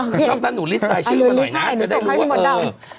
ครบนั้นหนูลิสต์ลายชื่อมาหน่อยนะเพื่อได้รู้ว่าเออ